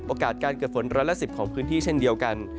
โอกาสการเกิดฝนร้อยละ๑๐ของพื้นที่เท่านั้น